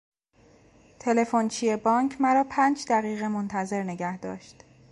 تلفنچی بانک مرا پنج دقیقه منتظر نگهداشت.